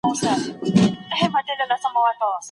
کندهار سوړ ښار نه دی.